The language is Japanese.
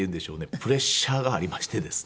プレッシャーがありましてですね。